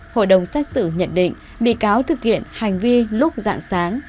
hội đồng xét xử nhận định bị cáo thực hiện hành vi lúc dạng sáng